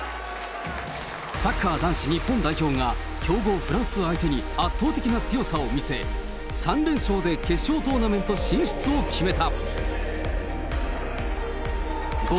サッカー男子日本代表が強豪フランスを相手に圧倒的な強さを見せ、３連勝で決勝トーナメント進出を決めた。